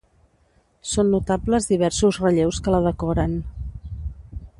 Són notables diversos relleus que la decoren.